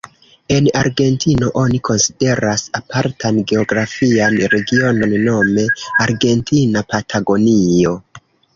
En Argentino oni konsideras apartan geografian regionon nome Argentina Patagonio.